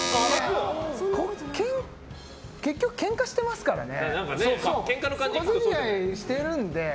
結局ケンカしてますからね。